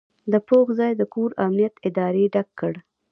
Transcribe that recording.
د پوځ ځای د کور امنیت ادارې ډک کړ.